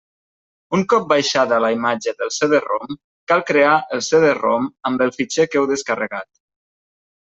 Un cop baixada la imatge del CD-ROM, cal crear el CD-ROM amb el fitxer que heu descarregat.